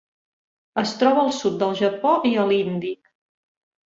Es troba al sud del Japó i a l'Índic.